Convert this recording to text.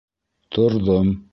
Торҙом.